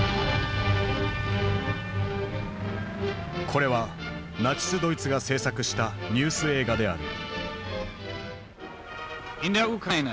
これはナチスドイツが制作したニュース映画である。